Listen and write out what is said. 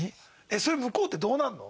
それ向こうってどうなるの？